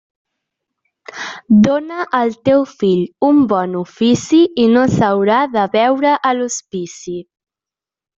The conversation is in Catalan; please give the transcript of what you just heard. Dóna al teu fill un bon ofici i no s'haurà de veure a l'hospici.